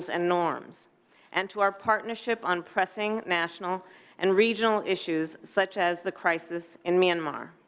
dan keberkaitan kita dalam mengembangkan isu nasional dan regional seperti krisis di myanmar